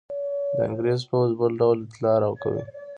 د انګرېز پوځ بل ډول اطلاع راکوي.